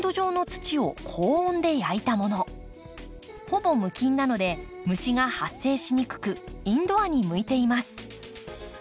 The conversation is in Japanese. ほぼ無菌なので虫が発生しにくくインドアに向いています。